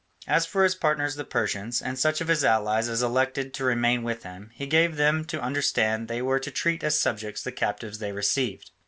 As for his partners the Persians, and such of his allies as elected to remain with him, he gave them to understand they were to treat as subjects the captives they received.